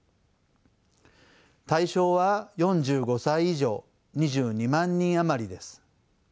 対象は４５歳以上２２万人余りです。